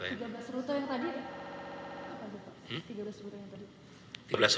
tiga belas ruto yang tadi